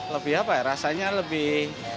lebih apa ya rasanya lebih